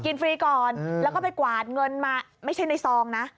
ฟรีก่อนแล้วก็ไปกวาดเงินมาไม่ใช่ในซองนะ